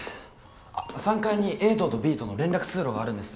あ３階にＡ棟とＢ棟の連絡通路があるんです。